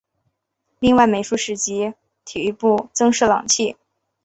另外美术室及体育部增设冷气。